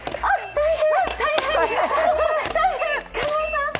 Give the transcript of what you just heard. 大変。